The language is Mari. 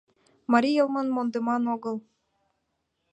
МАРИЙ ЙЫЛМЫМ МОНДЫМАН ОГЫЛ